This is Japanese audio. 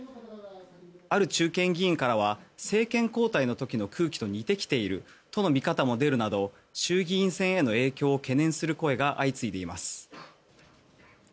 ある中堅議員からは政権交代の時の空気と似てきているとの見方も出るなど衆議院選への影響を懸念する声が相次いでいます。